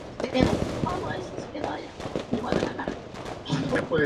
Es una sustancia sólida blanca, estable al aire.